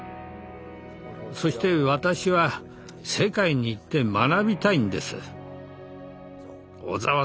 そして私は世界に行って学びたいんです。